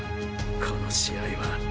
この試合は。